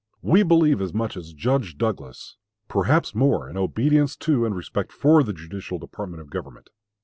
We believe as much as Judge Douglas (perhaps more) in obedience to and respect for the judicial department of government.